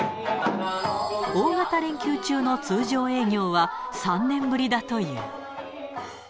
大型連休中の通常営業は３年ぶりだという。